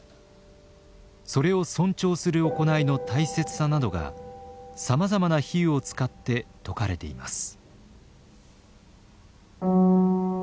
それを尊重する行いの大切さなどがさまざまな比喩を使って説かれています。